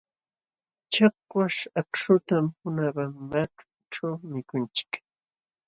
Chakwaśh akśhutam Pomabambaćhu mikunchik.